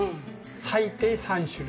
最低３種類。